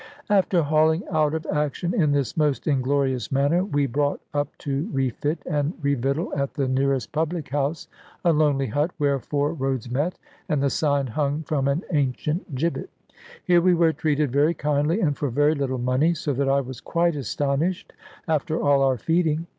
After hauling out of action in this most inglorious manner, we brought up to refit and revictual at the nearest public house, a lonely hut where four roads met, and the sign hung from an ancient gibbet. Here we were treated very kindly, and for very little money, so that I was quite astonished after all our feeding.